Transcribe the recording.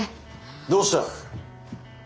どうした？